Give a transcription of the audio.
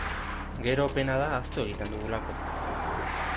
Gero, pena da, ahaztu egiten dugulako.